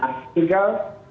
satu semua motif